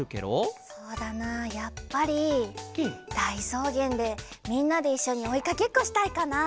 そうだなやっぱりだいそうげんでみんなでいっしょにおいかけっこしたいかな。